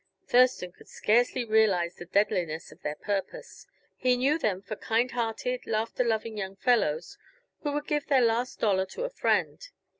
Thurston could scarcely realize the deadliness of their purpose. He knew them for kind hearted, laughter loving young fellows, who would give their last dollar to a friend.